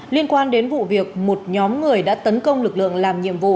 liên quan đến vụ việc một nhóm người đã tấn công lực lượng làm nhiệm vụ